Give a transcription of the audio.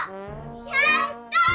やった！